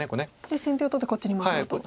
で先手を取ってこっちに回ろうと。